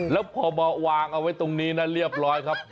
แล้วพอมาวางเอาไว้ตรงนี้นะเรียบร้อยครับ